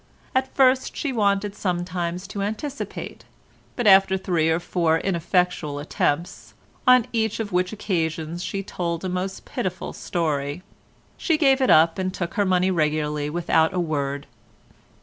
At first she wanted sometimes to anticipate, but after three or four ineffectual attempts—on each of which occasions she told a most pitiful story—she gave it up and took her money regularly without a word.